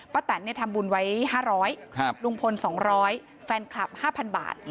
แตนทำบุญไว้๕๐๐ลุงพล๒๐๐แฟนคลับ๕๐๐บาท